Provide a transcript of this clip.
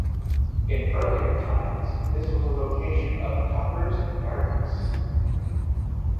In earlier times, this was the location of Cuper's Gardens.